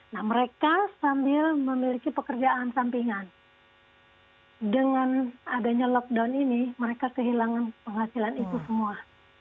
nah mereka sambil memiliki pekerjaan sampingan dengan adanya lockdown ini mereka kehilangan penghasilan itu semua